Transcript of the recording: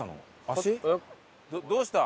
どうした？